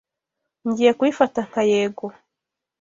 Ngiye kubifata nka yego.